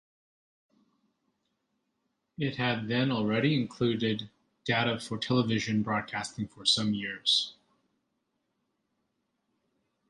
It had then already included data for television broadcasting for some years.